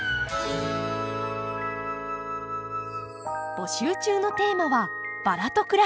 募集中のテーマは「バラと暮らしてます！」。